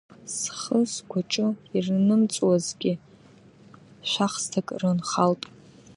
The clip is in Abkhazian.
Схы-сгәаҿы ирнымҵуазгьы шәахсҭак рынхалт.